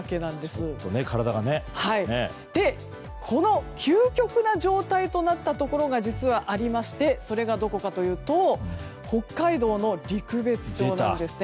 実は、この究極な状態となったところがありましてそれがどこかというと北海道の陸別町なんですね。